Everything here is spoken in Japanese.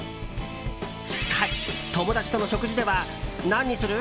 しかし、友達との食事では何にする？